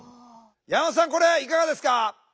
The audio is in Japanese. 山本さんこれいかがですか？